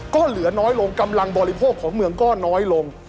ก็เหลือน้อยลงกำลังบริโภคของเมืองก็น้อยลง